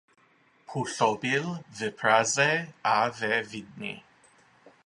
Působil v Praze a ve Vídni.